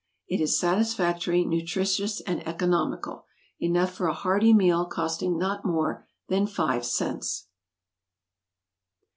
It is satisfactory, nutritious and economical; enough for a hearty meal costing not more than five cents.